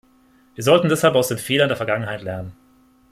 Wir sollten deshalb aus den Fehlern der Vergangenheit lernen.